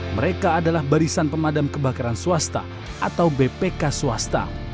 mereka adalah barisan pemadam kebakaran swasta atau bpk swasta